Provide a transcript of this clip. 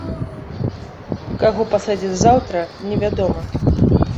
Каго пасадзяць заўтра, невядома.